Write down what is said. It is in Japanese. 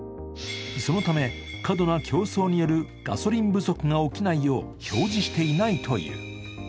そのため過度な競争によるガソリン不足が起きないよう表示していないという。